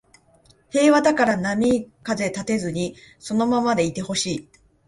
平和だから波風立てずにこのままでいてほしい